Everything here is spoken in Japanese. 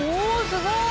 すごーい！